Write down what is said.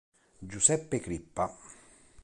Giuseppe Crippa